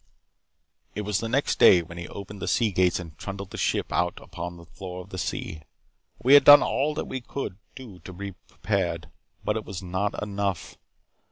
"It was the next day when he opened the sea gates and trundled the ship out upon the floor of the sea. We had done all that we could to be prepared. But it was not enough.